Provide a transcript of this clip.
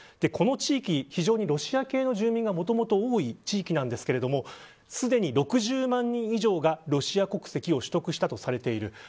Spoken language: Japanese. この地域は非常にロシア系住民がもともと多い地域ですがすでに６０万人以上がロシア国籍を取得したとされている。